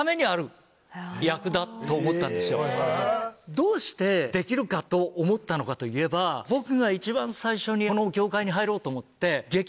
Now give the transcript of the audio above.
どうしてできるかと思ったのかといえば僕が一番最初にこの業界に入ろうと思って。